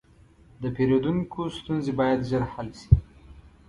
د پیرودونکو ستونزې باید ژر حل شي.